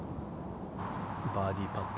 バーディーパット